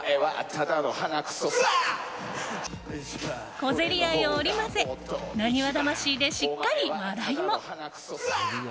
小競り合いを織り交ぜなにわ魂でしっかり笑いも。